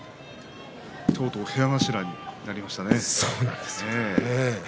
とうとう部屋頭になりましたね。